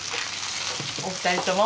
お二人とも。